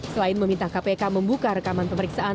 selain meminta kpk membuka rekaman pemeriksaan